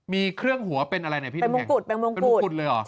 มีเครื่องหัวเป็นอะไรเป็นมุมกุฎ